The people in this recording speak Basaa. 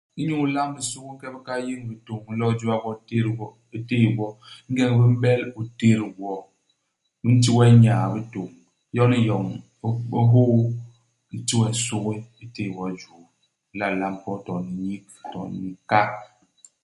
Inyu ilamb nsugi, u nke i bikay, u yéñ bitôñ, u lo'o u jôa gwo, u tét gwo u téé gwo. Ingeñ bi m'bel, u tét gwo. Bi nti we nyaa-bitôñ. Yon u n'yoñ, u bo u hôô. I ti we nsugi. U téé wo i juu. U nla lamb wo to ni nyik, to ni ka.